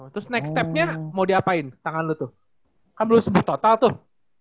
terus next step nya mau diapain tangan lu tuh kan belum sembuh total tuh